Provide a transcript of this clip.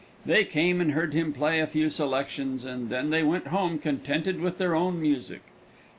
They came and heard him play a few selections, and then they went home contented with their own music.